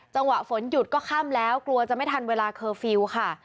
จังหวะฝนหยุดก็ค่ำแล้วกลัวจะไม่ทันเวลาเคอร์ฟิลล์ค่ะ